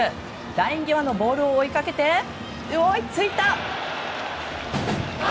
ライン際のボールを追いかけて追いついた！